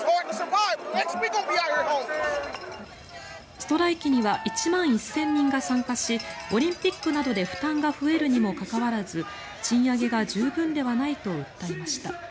ストライキには１万１０００人が参加しオリンピックなどで負担が増えるにもかかわらず賃上げが十分ではないと訴えました。